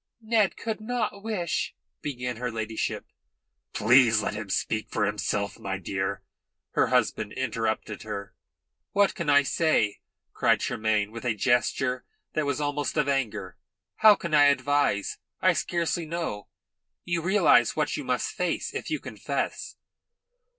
"Ned could not wish " began her ladyship. "Please let him speak for himself, my dear," her husband interrupted her. "What can I say?" cried Tremayne, with a gesture that was almost of anger. "How can I advise? I scarcely know. You realise what you must face if you confess?"